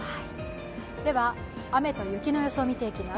では雨と雪の予想見ていきます。